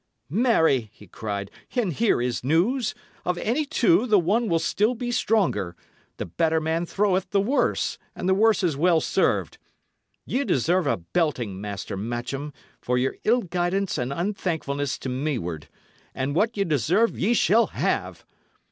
"Marry!" he cried, "and here is news! Of any two the one will still be stronger. The better man throweth the worse, and the worse is well served. Ye deserve a belting, Master Matcham, for your ill guidance and unthankfulness to meward; and what ye deserve ye shall have."